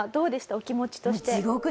お気持ちとして。